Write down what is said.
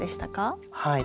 はい。